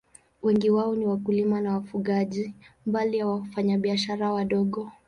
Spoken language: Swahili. Wengi wao ni wakulima na wafugaji, mbali ya wafanyabiashara wadogo.